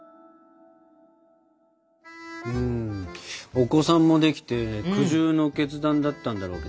お子さんもできて苦渋の決断だったんだろうけどさ。